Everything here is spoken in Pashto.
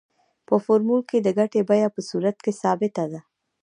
په فورمول کې د ګټې بیه په صورت کې ثابته ده